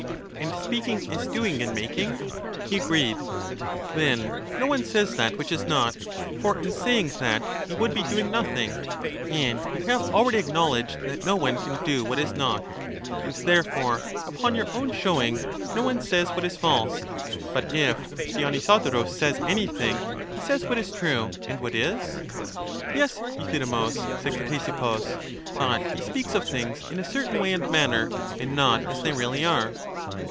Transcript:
And speaking is doing and making? He agreed. Then no one says that which is not, for in saying that, he would be doing nothing; and you have already acknowledged that no one can do what is not. And therefore, upon your own showing, no one says what is false ; but if Dionysodorus, says anything, he says what is true and what is. Yes, Euthydemus, said Ctesippus; but he speaks of things in a certain way and manner, and not as they really are.